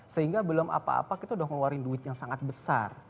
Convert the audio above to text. sehingga belum apa apa kita udah ngeluarin duit yang sangat besar